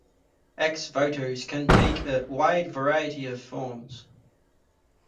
Ex-votos can take a wide variety of forms.